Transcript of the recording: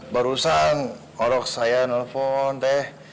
barusan orang saya telepon teh